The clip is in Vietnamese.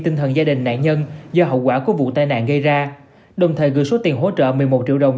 tinh thần gia đình nạn nhân do hậu quả của vụ tai nạn gây ra đồng thời gửi số tiền hỗ trợ một mươi một triệu đồng